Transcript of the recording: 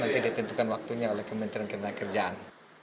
nanti ditentukan waktunya oleh kementerian ketenaga kerjaan